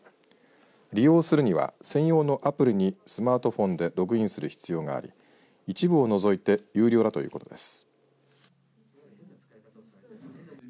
利用するには専用のアプリにスマートフォンでログインする必要があり一部を除いて有料だということです。